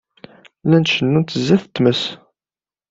Llant cennunt sdat tmes.